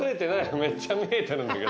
めっちゃ見えてるんだけど。